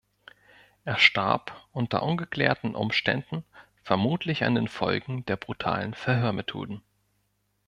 Er starb unter ungeklärten Umständen vermutlich an den Folgen der brutalen Verhörmethoden.